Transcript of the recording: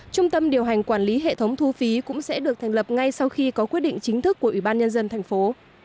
trung tâm điều hành quản lý hệ thống thu phí cũng sẽ được thành lập ngay sau khi có quyết định chính thức của ủy ban nhân dân thành phố